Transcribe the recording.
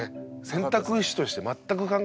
選択肢として全く考えてなかった。